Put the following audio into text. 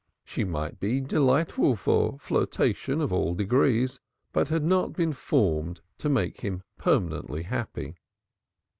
She might be delightful for flirtation of all degrees, but had not been formed to make him permanently happy.